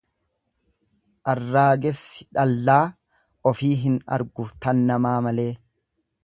Harraagessi dhallaa ofii hin argu tan namaa malee.